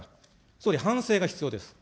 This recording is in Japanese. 総理、反省が必要です。